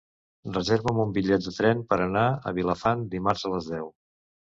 Reserva'm un bitllet de tren per anar a Vilafant dimarts a les deu.